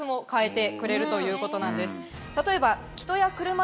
例えば。